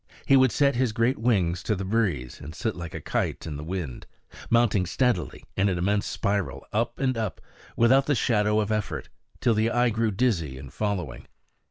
He would set his great wings to the breeze and sit like a kite in the wind, mounting steadily in an immense spiral, up and up, without the shadow of effort, till the eye grew dizzy in following.